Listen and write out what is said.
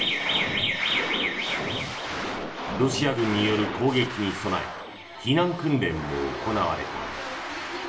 ロシア軍による攻撃に備え避難訓練も行われた。